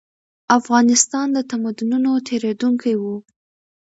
افغانستان د تمدنونو تېرېدونکی و.